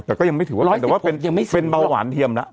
แต่ก็ยังไม่ถือว่าร้อยสิบหกยังไม่สูงแต่ว่าเป็นเป็นเบาหวานเทียมล่ะ